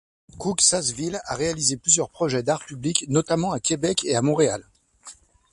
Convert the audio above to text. Cooke-Sasseville a réalisé plusieurs projets d'art public, notamment à Québec et à Montréal.